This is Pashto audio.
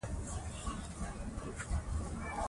انځور د فضا د څیړنې لپاره مهم معلومات لري.